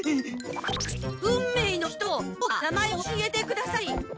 運命の人よどうか名前を教えてください。